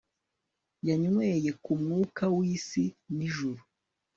Yanyweye ku mwuka wisi nijuru